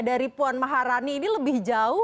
dari puan maharani ini lebih jauh